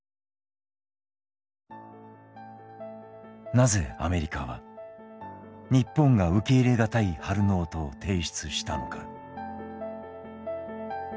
なぜアメリカは日本が受け入れ難いハル・ノートを提出したのか。